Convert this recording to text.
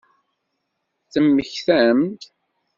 Temmektam-d?